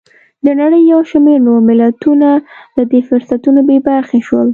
د نړۍ یو شمېر نور ملتونه له دې فرصتونو بې برخې شول.